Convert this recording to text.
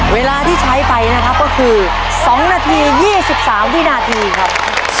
เวลาที่ใช้ไปนะครับก็คือ๒นาที๒๓วินาทีครับ